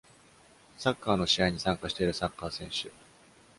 サッカーの試合に参加しているサッカー選手。